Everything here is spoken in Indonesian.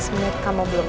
lima belas menit kamu boleh